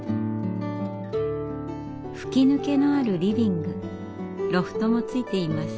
吹き抜けのあるリビングロフトもついています。